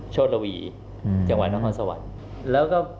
โชศลวีจังหวัดนครสวรรค์